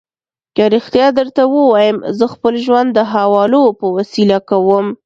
که رښتیا درته ووایم، زه خپل ژوند د حوالو په وسیله کوم.